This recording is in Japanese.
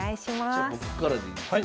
じゃ僕からでいいんですか？